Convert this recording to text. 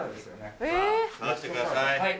出してください。